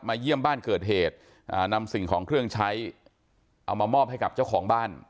เยี่ยมบ้านเกิดเหตุนำสิ่งของเครื่องใช้เอามามอบให้กับเจ้าของบ้าน